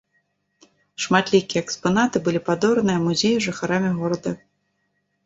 Шматлікія экспанаты былі падораныя музею жыхарамі горада.